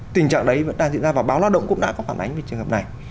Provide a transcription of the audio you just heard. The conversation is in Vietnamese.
tình trạng đấy vẫn đang diễn ra vào báo lao động cũng đã có phản ánh về trường hợp này